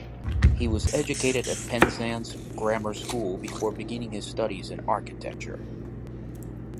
He was educated at Penzance Grammar School before beginning his studies in architecture.